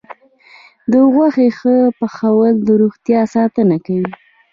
د غوښې ښه پخول د روغتیا ساتنه کوي.